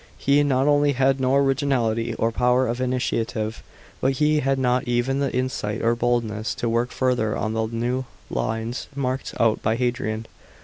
He not only had no originality or power of initiative, but he had not even the insight or boldness to work further on the new lines marked out by Hadrian.